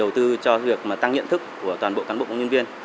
đầu tư cho việc mà tăng nhận thức của toàn bộ cán bộ công nhân viên